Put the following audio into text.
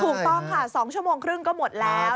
ถูกต้องค่ะ๒ชั่วโมงครึ่งก็หมดแล้ว